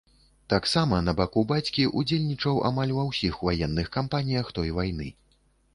Таксама, на баку бацькі, ўдзельнічаў амаль ва ўсіх ваенных кампаніях той вайны.